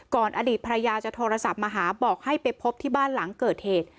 อดีตภรรยาจะโทรศัพท์มาหาบอกให้ไปพบที่บ้านหลังเกิดเหตุ